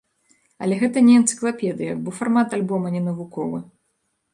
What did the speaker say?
Але гэта не энцыклапедыя, бо фармат альбома не навуковы.